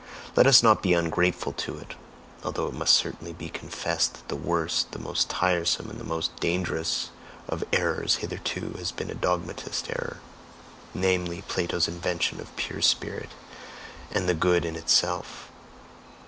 Let us not be ungrateful to it, although it must certainly be confessed that the worst, the most tiresome, and the most dangerous of errors hitherto has been a dogmatist error namely, Plato's invention of Pure Spirit and the Good in Itself.